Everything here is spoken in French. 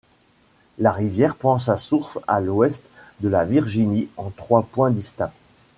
La rivière prend sa source à l'ouest de la Virginie en trois points distincts.